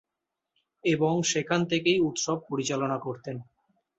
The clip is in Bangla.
এবং সেখান থেকেই উৎসব পরিচালনা করেতন।